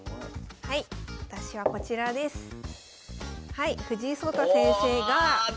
はい藤井聡太先生が。